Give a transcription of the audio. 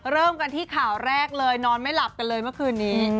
เริ่มกันที่ข่าวแรกเลยนอนไม่หลับกันเลยเมื่อคืนนี้